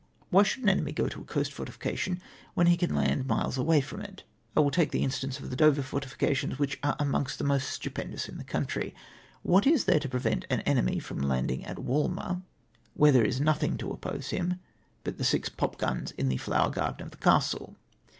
o Why should an enemy go to a coast fortification when he can land miles away fi^om it ? I Avill take the instance of the Dover fortifications, which are amongst the most stupendous in this country. Wliat is there to prevent an enemy from landing at Walmer, wliere there is nothing to oppose him but the six popgims in the fiowTr garden of the Castle